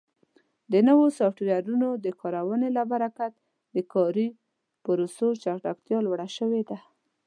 د نوو سافټویرونو د کارونې له برکت د کاري پروسو چټکتیا لوړه شوې ده.